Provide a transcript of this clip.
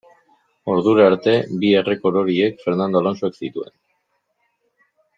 Ordura arte, bi errekor horiek Fernando Alonsok zituen.